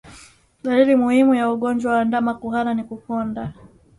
Dalili muhimu ya ugonjwa wa ndama kuhara ni kukonda